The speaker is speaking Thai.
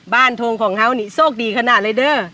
ทงของเขานี่โชคดีขนาดเลยเด้อ